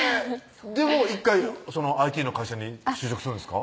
でも１回ＩＴの会社に就職するんですか？